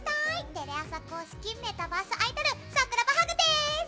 テレ朝公式メタバースアイドル桜葉ハグです！